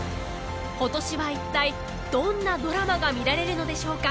今年は一体どんなドラマが見られるのでしょうか？